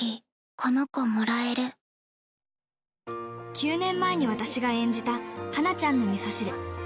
９年前に私が演じた、はなちゃんのみそ汁。